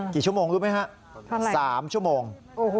กี่ชั่วโมงรู้ไหมครับสามชั่วโมงเริ่มตอนไหน